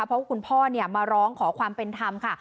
เพราะว่าคุณพ่อมาร้องขอความเป็นธรรมค่ะ